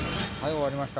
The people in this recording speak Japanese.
終わりました。